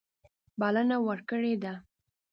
بلنه ورکړې ده.